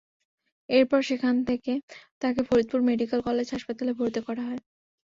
এরপর সেখান থেকে তাঁকে ফরিদপুর মেডিকেল কলেজ হাসপাতালে ভর্তি করা হয়।